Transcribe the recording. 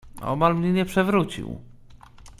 "Omal mnie nie przewrócił."